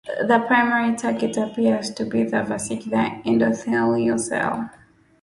The primary target appears to be the vascular endothelial cell.